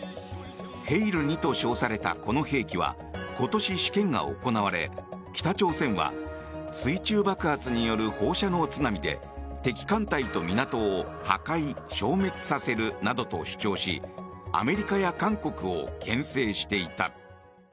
ヘイル２と称されたこの兵器は今年、試験が行われ北朝鮮は水中爆発による放射能津波で敵艦隊と港を破壊・消滅させるなどと主張しアメリカや韓国をけん制していた。